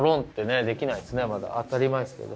当たり前ですけど。